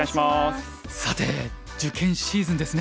さて受験シーズンですね。